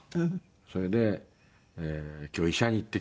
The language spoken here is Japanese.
それで「今日医者に行ってきた」と。